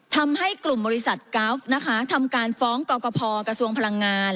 ทำให้กลุ่มบริษัทกราฟนะคะทำการฟ้องกรกภกระทรวงพลังงาน